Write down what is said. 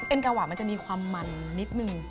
กะวะมันจะมีความมันนิดนึง